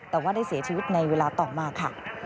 แต่ว่าได้เสียชีวิตในเวลาต่อมาค่ะ